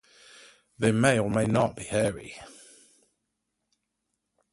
They may or may not be hairy.